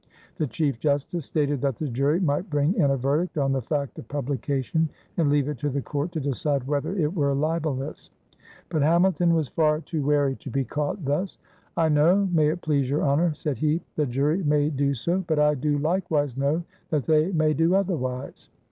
The Chief Justice stated that the jury might bring in a verdict on the fact of publication and leave it to the Court to decide whether it were libelous. But Hamilton was far too wary to be caught thus. "I know, may it please your Honor," said he, "the jury may do so; but I do likewise know that they may do otherwise.